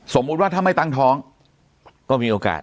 สมมุติว่าถ้าไม่ตั้งท้องก็มีโอกาส